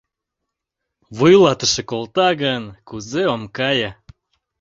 Вуйлатыше колта гын, кузе ом кае?